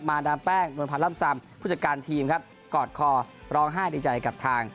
ดามแป้งนวลพันธ์ล่ำซำผู้จัดการทีมครับกอดคอร้องไห้ดีใจกับทาง